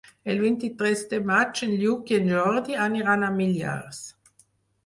El vint-i-tres de maig en Lluc i en Jordi aniran a Millars.